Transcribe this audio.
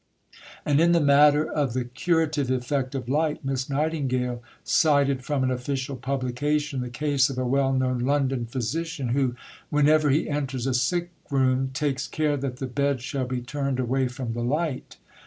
" And in the matter of the curative effect of light, Miss Nightingale cited from an official publication the case of a well known London physician, who "whenever he enters a sick room, takes care that the bed shall be turned away from the light."